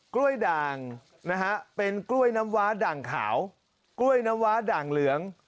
กล้วยด่างนะฮะเป็นกล้วยน้ำว้าด่างขาวกล้วยน้ำว้าด่างเหลือง